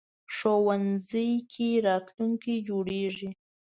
ښوونځی کې راتلونکی جوړېږي